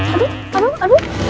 aduh aduh aduh